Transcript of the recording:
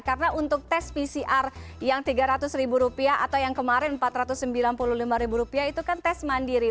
karena untuk tes pcr yang tiga ratus ribu rupiah atau yang kemarin empat ratus sembilan puluh lima ribu rupiah itu kan tes mandiri